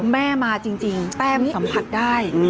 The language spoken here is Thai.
แม่มาจริงแต้มสัมผัสได้